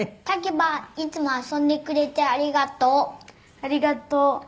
「たけばぁいつも遊んでくれてありがとう」「ありがとう。